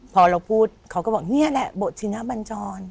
พอเราพูดเขาก็บอกนี่แหละบทชินบัญจร